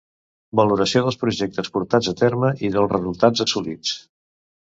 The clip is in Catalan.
Valoració dels projectes portats a terme i dels resultats assolits.